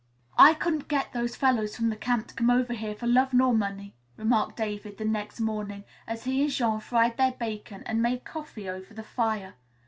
"I couldn't get those fellows from the camp to come over here for love nor money," remarked David the next morning, as he and Jean fried their bacon and made coffee over the fire.